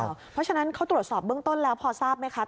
เพราะฉะนั้นเขาตรวจสอบเบื้องต้นแล้วพอทราบไหมคะ